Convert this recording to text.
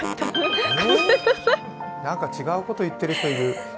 何か違うこと言ってる人いる。